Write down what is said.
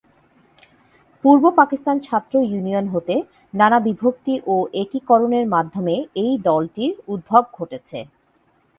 পূর্ব পাকিস্তান ছাত্র ইউনিয়ন হতে নানা বিভক্তি ও একীকরণের মাধ্যমে এই দলটির উদ্ভব ঘটেছে।